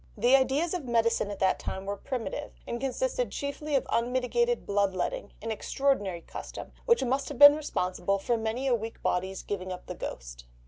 The ideas of medicine at that time were primitive, and consisted chiefly of unmitigated blood letting, an extraordinary custom, which must have been responsible for many a weak body's giving up the ghost.